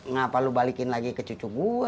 ngapa lu balikin lagi ke cucu gua